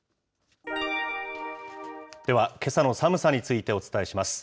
では、けさの寒さについてお伝えします。